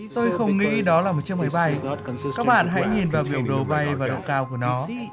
tôi không nghĩ đó là một chiếc máy bay các bạn hãy nhìn vào biểu đồ bay và độ cao của nó